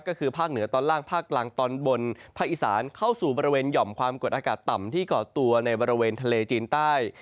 ก็คือภาคเหนือตอนล่างภาคกลางตอนบนภาคอีสานเข้าสู่บริเวณหย่อมความกดอากาศต่ำที่ก่อตัวในบริเวณทะเลจีนใต้